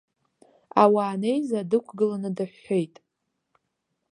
Ауаа анеиза, дықәгыланы дыҳәҳәеит.